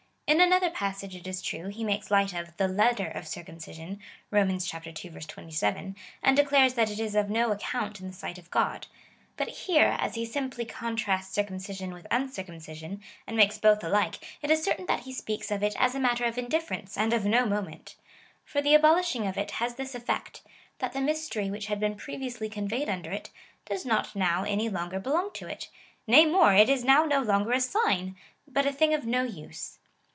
In another passage, it is true, he makes light of the letter of circumcision, (Hom. ii. 27,) and declares that it is of no account in the sight of God ; but here, as he simply con trasts circumcision with uncircumcision, and makes both alike, it is certain that he speaks of it as a matter of indif ference and of no moment. For the abolishing of it has this effect — that the mystery which had been previously conveyed under it, does not now any longer belong to it : nay more, it is now no longer a sign, but a thing of no use.